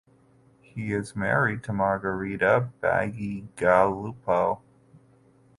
He is married to Margherita Bacigalupo.